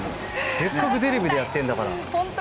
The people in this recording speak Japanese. せっかくテレビでやってんだから。